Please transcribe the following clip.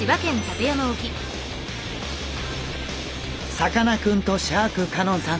さかなクンとシャーク香音さん